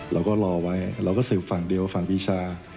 เราก็รอไว้เราก็สืบฝั่งเดียวฝั่งปีชา